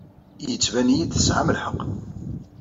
Yettban-iyi-d tesɛam lḥeqq.